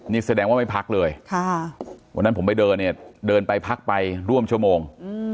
นี่แสดงว่าไม่พักเลยวันนั้นผมไปเดินเนี่ยเดินไปพักไปร่วมชั่วโมง